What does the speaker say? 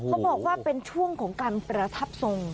เขาบอกว่าเป็นช่วงของการประทับทรง